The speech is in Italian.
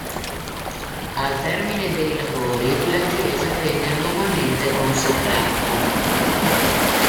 Al termine dei lavori, la chiesa venne nuovamente consacrata.